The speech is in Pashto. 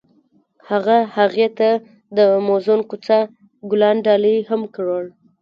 هغه هغې ته د موزون کوڅه ګلان ډالۍ هم کړل.